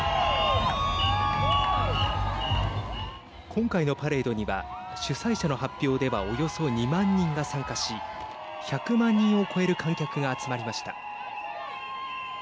今回のパレードには主催者の発表ではおよそ２万人が参加し１００万人を超える観客が集まりました。